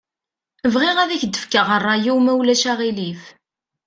Bɣiɣ ad ak-d-fkeɣ ṛṛay-iw ma ulac aɣilif.